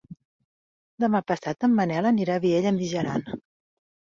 Demà passat en Manel anirà a Vielha e Mijaran.